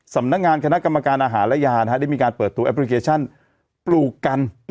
สำนักงานคณะกรรมการอาหารและยาได้มีการเปิดตัวแอปพลิเคชันปลูกกัน